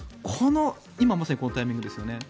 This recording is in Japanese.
今まさにこのタイミングですよね。